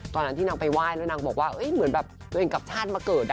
ตอนนั้นที่นางไปไหว้แล้วนางบอกว่าเหมือนแบบตัวเองกับชาติมาเกิด